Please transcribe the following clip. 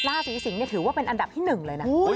ราศีสิงศ์ถือว่าเป็นอันดับที่๑เลยนะ